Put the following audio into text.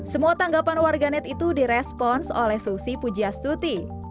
semua tanggapan warga net itu di respons oleh susi pujiastuti